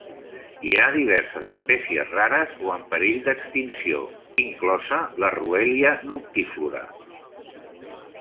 Hi ha diverses espècies rares o en perill d'extinció, inclosa la "Ruellia noctiflora".